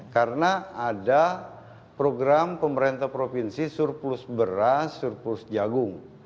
karena ada program pemerintah provinsi surplus beras surplus jagung